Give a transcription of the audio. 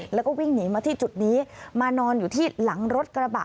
แล้วก็วิ่งหนีมาที่จุดนี้มานอนอยู่ที่หลังรถกระบะ